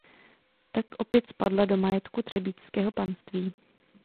Tak opět spadla do majetku třebíčského panství.